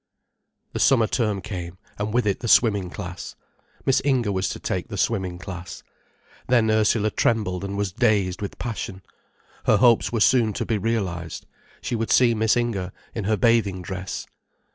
The summer term came, and with it the swimming class. Miss Inger was to take the swimming class. Then Ursula trembled and was dazed with passion. Her hopes were soon to be realized. She would see Miss Inger in her bathing dress.